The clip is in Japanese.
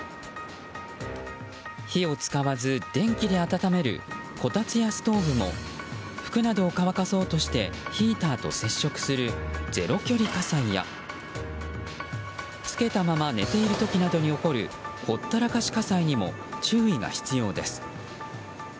火を使わず電気で温めるこたつやストーブも服などを乾かそうとしてヒーターと接触するゼロ距離火災やつけたまま寝ている時などに起こるほったらかし火災にも注意が必要です。